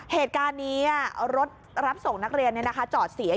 เหตุการณ์นี้รถรับส่งนักเรียนจอดเสีย